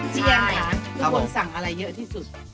ใช่ครับทุกคนสั่งอะไรเยอะทีสุด